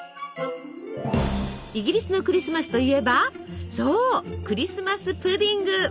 イギリスのクリスマスといえばそうクリスマス・プディング。